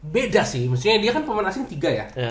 beda sih maksudnya dia kan pemain asing tiga ya